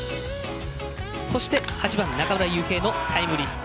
そして８番中村悠平のタイムリーヒット